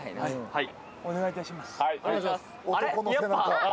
はい。